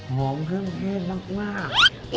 หอมเครื่องเทศมาก